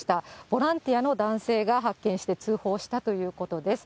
ボランティアの男性が発見して通報したということです。